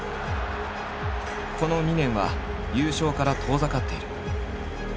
この２年は優勝から遠ざかっている。